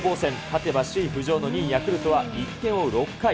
勝てば首位浮上の２位ヤクルトは１点を追う６回。